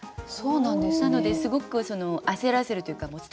なのですごく焦らせるというかもう「ＳＴＯＰ！」